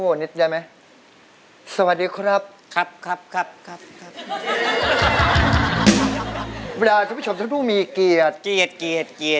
โอ้วแต่ตลกไปก่อนละครับพี่เป้ามันตลกไม่รู้มั้ยครับวิ้มเป้าเข้าใจหรือเปิ้ล